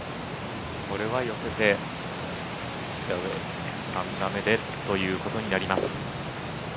これは寄せて３打目でということになります。